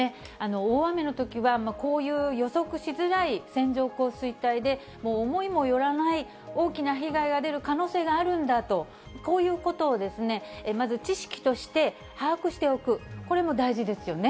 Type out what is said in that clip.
大雨のときはこういう予測しづらい線状降水帯で、思いもよらない大きな被害が出る可能性があるんだと、こういうことをまず知識として把握しておく、これも大事ですよね。